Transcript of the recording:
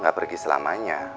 gak pergi selamanya